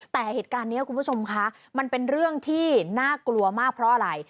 แต่เหตุการณ์นี้คุณผู้ชมคะมันเป็นเรื่องที่น่ากลัวมากเพราะอะไร